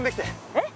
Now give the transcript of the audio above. えっ？